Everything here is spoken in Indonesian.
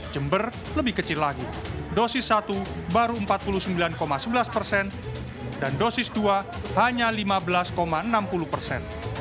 jember lebih kecil lagi dosis satu baru empat puluh sembilan sebelas persen dan dosis dua hanya lima belas enam puluh persen